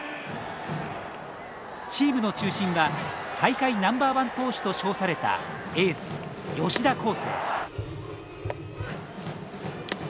チームの中心は大会ナンバーワン投手と称されたエース吉田輝星。